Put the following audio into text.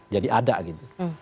jadi ada gitu